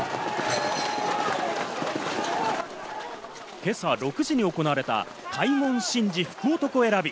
今朝６時に行われた開門神事福男選び。